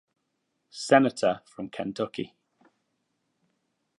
Senator from Kentucky.